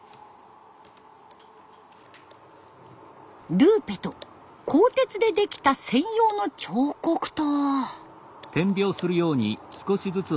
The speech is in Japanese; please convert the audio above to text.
ルーペと鋼鉄でできた専用の彫刻刀。